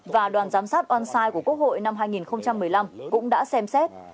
và đoàn giám sát on site của quốc hội năm hai nghìn một mươi năm cũng đã xem xét